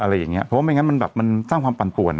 อะไรอย่างนี้เพราะว่าไม่งั้นมันแบบมันสร้างความปันปวนอ่ะ